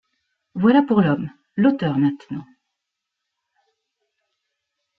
Voilà pour l’homme, l’auteur maintenant.